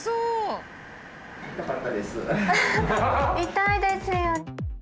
痛いですよ。